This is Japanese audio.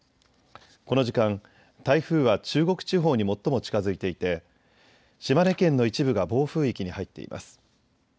この時間、台風は中国地方に最も近づいていて島根県の一部が暴風域に入っています。